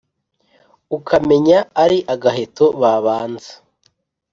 ukamenya ari agaheto babanze !